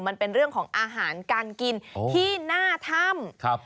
มันเป็นเรื่องของอาหารการกินที่หน้าถ้ำ